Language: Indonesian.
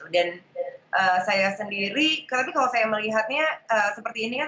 dan saya sendiri tapi kalau saya melihatnya seperti ini kan